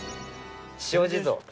塩地蔵。